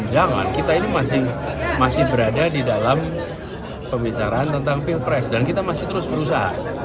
jangan kita ini masih berada di dalam pembicaraan tentang pilpres dan kita masih terus berusaha